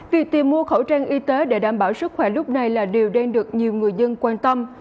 việc tìm mua khẩu trang y tế để đảm bảo sức khỏe lúc này là điều đang được nhiều người dân quan tâm